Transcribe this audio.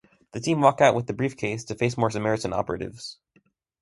The team walk out with the briefcase to face more Samaritan operatives.